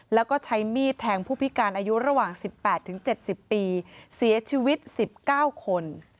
แล้วก็ใช้มีดแทงผู้พิการอายุระหว่าง๑๘๗๐ปีเสียชีวิต๑๙คน